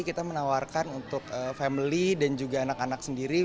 kita menawarkan untuk family dan juga anak anak sendiri